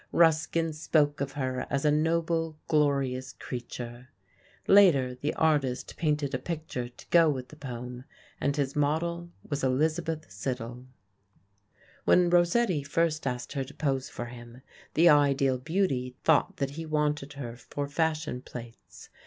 Ruskin spoke of her as a "noble, glorious creature." Later the artist painted a picture to go with the poem, and his model was Elizabeth Siddal. When Rossetti first asked her to pose for him the ideal beauty thought that he wanted her for fashion plates.